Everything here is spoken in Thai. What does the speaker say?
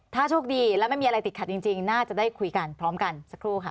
ถ้าโชคดีแล้วไม่มีอะไรติดขัดจริงน่าจะได้คุยกันพร้อมกันสักครู่ค่ะ